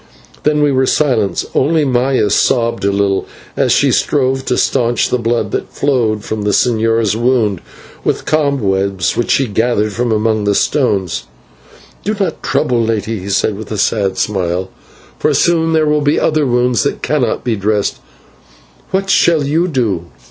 Then we were silent, only Maya sobbed a little as she strove to staunch the blood that flowed from the señor's wound with cobwebs which she gathered from among the stones. "Do not trouble, lady," he said, with a sad smile, "for soon there will be other wounds that cannot be dressed. What shall you do?"